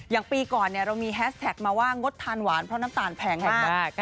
อย่างปีก่อนเรามีแฮสแท็กมาว่างดทานหวานเพราะน้ำตาลแพงแห่งนี้